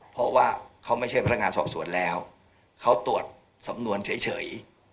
เพราะว่าเขาไม่ใช่พนักงานสอบสวนแล้วเขาตรวจสำนวนเฉย